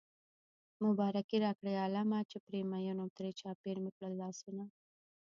مبارکي راکړئ عالمه چې پرې مين وم ترې چاپېر مې کړل لاسونه